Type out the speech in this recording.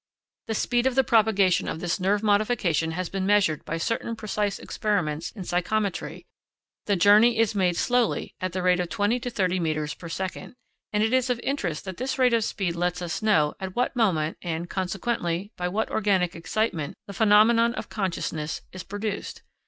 The speed of the propagation of this nerve modification has been measured by certain precise experiments in psychometry; the journey is made slowly, at the rate of 20 to 30 metres per second, and it is of interest that this rate of speed lets us know at what moment and, consequently, by what organic excitement, the phenomenon of consciousness is produced.